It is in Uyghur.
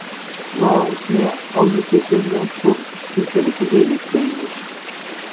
مائۇسنى ئالما شەكلىنىڭ سول ئۇستى تەرىپىگە يۆتكەيمىز.